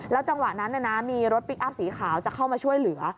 จังหวะนั้นมีรถพลิกอัพสีขาวจะเข้ามาช่วยเหลือ